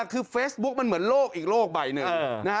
คือเฟซบุ๊กมันเหมือนโลกอีกโลกใบหนึ่ง